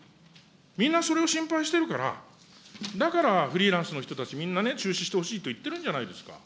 みんなそれを心配してるから、だからフリーランスの人たち、みんなね、中止してほしいと言ってるんじゃないですか。